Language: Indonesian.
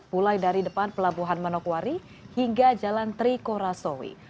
mulai dari depan pelabuhan manokwari hingga jalan trikorasowi